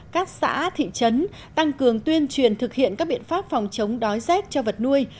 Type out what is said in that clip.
các xã thị trấn tăng cường tuyên truyền thực hiện các biện pháp phòng chống đói rét cho vật nuôi